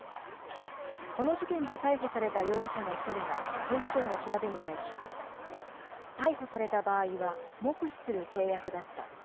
この事件で逮捕された容疑者の１人が警視庁の調べに対し、逮捕された場合は黙秘する契約だった。